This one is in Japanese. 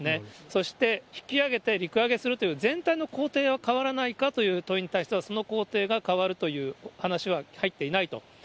そして、引き揚げて陸揚げするという全体の工程は変わらないかという問いに対しては、その工程が変わるという話は入っていないと。